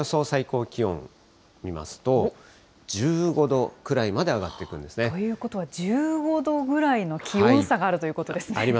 最高気温見ますと、１５度くらいまで上がってくるんですね。ということは、１５度ぐらいの気温差があるということですね。